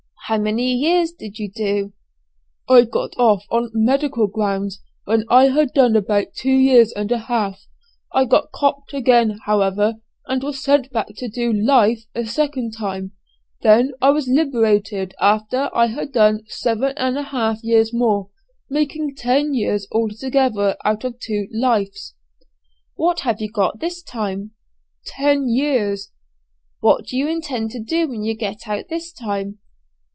"How many years did you have to do?" "I got off on 'medical grounds' when I had done about two years and a half. I got 'copt' again, however, and was sent back to do 'life' a second time; then I was liberated after I had done seven and a half years more, making ten years altogether out of two 'life's.'" "What have you got this time?" "Ten years." "What do you intend to do when you get out this time?"